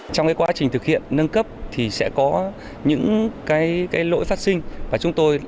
trong quá trình thực hiện nâng cấp thì sẽ có những cái lỗi phát sinh